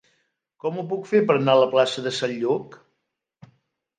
Com ho puc fer per anar a la plaça de Sant Lluc?